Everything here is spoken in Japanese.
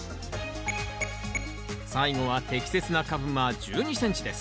最後は適切な株間１２ｃｍです